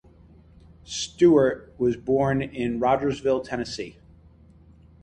Stewart was born in Rogersville, Tennessee.